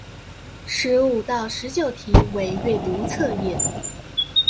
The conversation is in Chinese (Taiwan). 十五到十九題為閱讀測驗